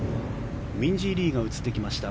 ミンジー・リーが映ってきました。